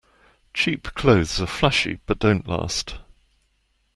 Cheap clothes are flashy but don't last.